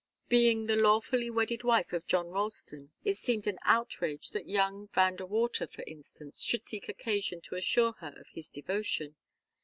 Being the lawfully wedded wife of John Ralston, it seemed an outrage that young Van De Water, for instance, should seek occasion to assure her of his devotion.